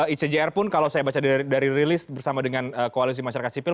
icjr pun kalau saya baca dari rilis bersama dengan koalisi masyarakat sipil